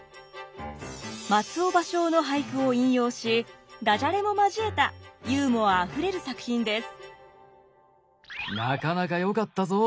松尾芭蕉の俳句を引用しダジャレも交えたユーモアあふれる作品です。